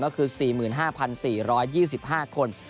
นั่นก็คือ๔๕๔๒๕คน